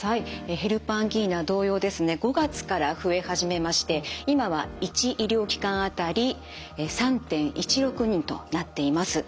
ヘルパンギーナ同様ですね５月から増え始めまして今は１医療機関当たり３．１６人となっています。